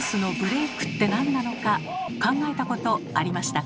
考えたことありましたか？